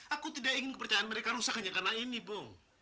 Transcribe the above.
aku tidak ingin kepercayaan mereka rusak hanya karena ini bu